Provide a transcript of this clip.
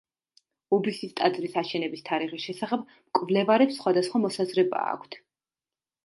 უბისის ტაძრის აშენების თარიღის შესახებ მკვლევარებს სხვადასხვა მოსაზრება აქვთ.